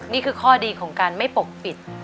นี่คือข้อดีของการไม่ปกปิด